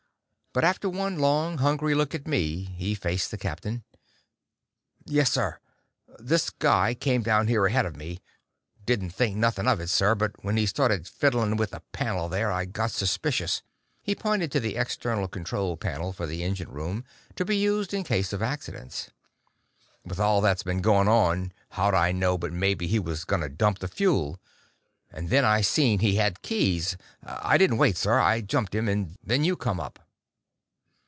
But after one long, hungry look at me, he faced the captain. "Yes, sir. This guy came down here ahead of me. Didn't think nothing of it, sir. But when he started fiddling with the panel there, I got suspicious." He pointed to the external control panel for the engine room, to be used in case of accidents. "With all that's been going on, how'd I know but maybe he was gonna dump the fuel? And then I seen he had keys. I didn't wait, sir. I jumped him. And then you come up."